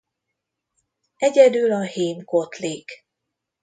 Egyedül a hím kotlik.